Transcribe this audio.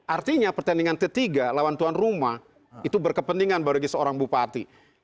artinya pertandingan ketiga lawan tuan rumah itu berkepentingan bagi seorang bupati